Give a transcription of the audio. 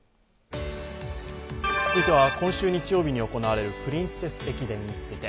続いては今週日曜日に行われるプリンセス駅伝について。